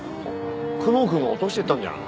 久能君が落としてったんじゃない？